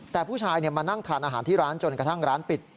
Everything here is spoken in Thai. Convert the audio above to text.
แต่ผู้ชายมานั่งทานอาหารที่ร้านจนกระทั่งร้านปิด